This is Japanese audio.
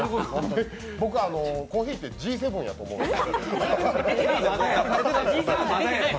僕、コーヒーってＧ７やと思うんで。